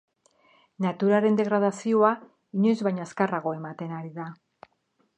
Naturaren degradazioa inoiz baino azkarrago ematen ari da.